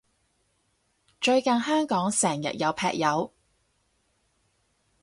最近香港成日有劈友？